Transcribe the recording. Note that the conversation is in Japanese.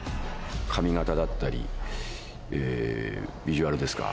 髪形だったりビジュアルですか。